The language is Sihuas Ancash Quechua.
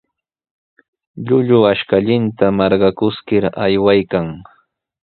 Llullu ashkallanta marqakuskir aywaykan.